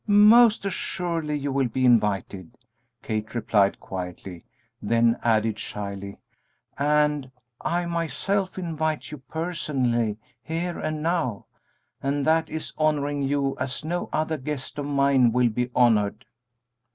"Most assuredly you will be invited," Kate replied, quietly; then added, shyly, "and I myself invite you personally, here and now, and that is honoring you as no other guest of mine will be honored."